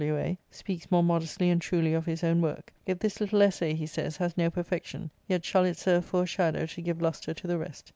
W. ^.," speaks more modestly and truly of his own work. "If this little essay," he says, " has no perfection, yet shall it serve for a shadow to give lustre to the rest."